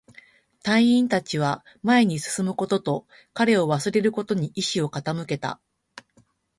隊員達は前に進むことと、彼を忘れることに意志を傾けた